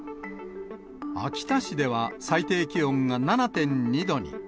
秋田市では、最低気温が７．２度に。